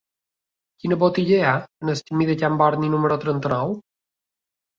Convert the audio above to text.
Quina botiga hi ha al camí de Can Borni número trenta-nou?